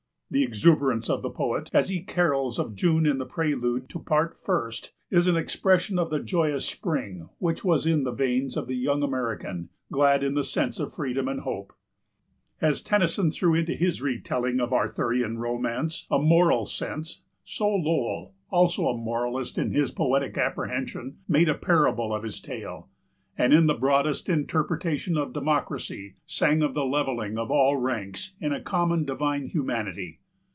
The exuberance of the poet as he carols of June in the prelude to Part First is an expression of the joyous spring which was in the veins of the young American, glad in the sense of freedom and hope. As Tennyson threw into his retelling of Arthurian romance a moral sense, so Lowell, also a moralist in his poetic apprehension, made a parable of his tale, and, in the broadest interpretation of democracy, sang of the leveling of all ranks in a common divine humanity.